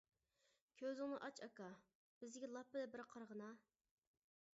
كۆزۈڭنى ئاچ، ئاكا، بىزگە لاپپىدە بىر قارىغىنا!